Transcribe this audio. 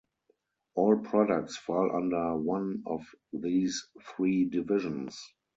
All products fall under one of these three divisions.